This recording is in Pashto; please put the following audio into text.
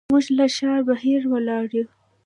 موږ له ښار بهر ولاړ یو.